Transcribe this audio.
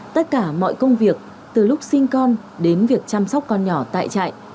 tất cả mọi công việc từ lúc sinh con đến việc chăm sóc con nhỏ tại trại